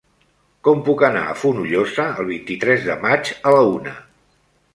Com puc anar a Fonollosa el vint-i-tres de maig a la una?